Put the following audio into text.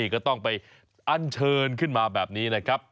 ก็ต้องไปอันเชิญขึ้นมาแบบนี้นะครับ